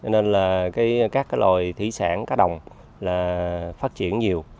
nên là các loài thí sản cá đồng phát triển nhiều